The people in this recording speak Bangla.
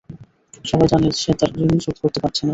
সবাই জানে সে তার ঋণই শোধ করতে পারছে না।